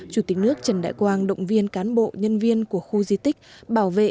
chủ tịch nước trần đại quang động viên cán bộ nhân viên của khu di tích bảo vệ